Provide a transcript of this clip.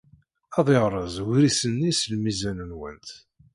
Ad yerreẓ ugris-nni s lmizan-nwent.